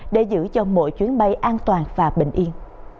để giữ cho mỗi chuyến bay an toàn và bình yên